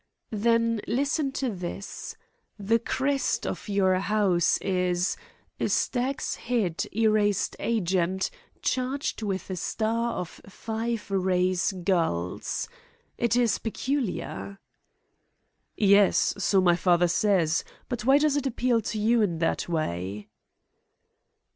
"Then listen to this. The crest of your, house is: 'A stag's head, erased argent, charged with a star of five rays gules.' It is peculiar." "Yes, so my father says; but why does it appeal to you in that way?"